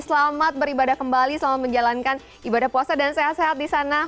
selamat beribadah kembali selamat menjalankan ibadah puasa dan sehat sehat di sana